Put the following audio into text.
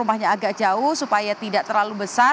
jadi misalnya rumahnya agak jauh supaya tidak terlalu besar